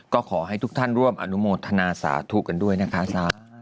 ก็ขอให้ทุกท่านร่วมอนุโมทนาสาธุกันด้วยนะคะ